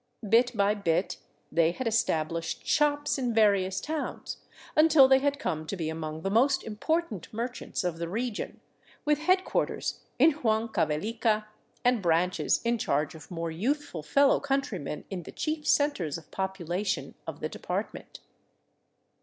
Bit by bit they had established shops in various towns, until they had come to be among the most important merchants of the region, with headquarters in Huancavelica and branches in charge of more youthful fellow countrymen in the chief centers of population of the department.